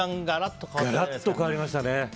ガラッと変わりましたね。